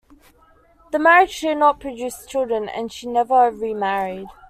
The marriage did not produce children and she never remarried.